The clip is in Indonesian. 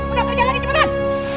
udah kerja lagi cepetan